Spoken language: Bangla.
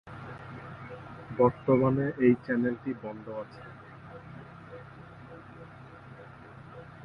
বর্তমানে এই চ্যানেলটি বন্ধ আছে।